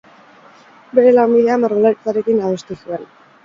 Bere lanbidea margolaritzarekin adostu zuen.